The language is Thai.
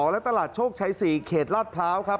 และตลาดโชคชัย๔เขตลาดพร้าวครับ